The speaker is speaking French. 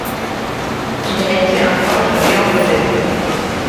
Il a été un proche de Léon Daudet.